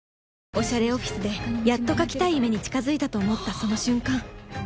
おしゃれオフィスでやっと書きたい夢に近づいたと思ったその瞬間